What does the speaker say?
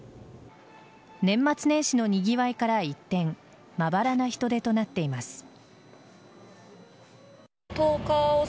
年末年始のにぎわいから一転まばらな人出となっています。